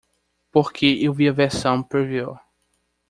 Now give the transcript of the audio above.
Porque eu vi a versão preview